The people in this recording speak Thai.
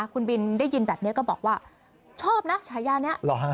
คุณบินได้ยินแบบนี้ก็บอกว่าชอบนะฉายานี้